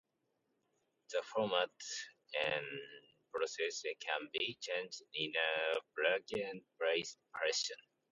The formats and processes can be changed in a plug and play fashion.